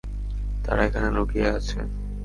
তারা এখানে লুকিয়ে আছে!